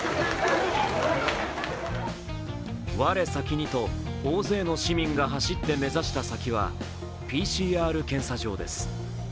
我先にと、大勢の市民が走って目指した先は、ＰＣＲ検査場です。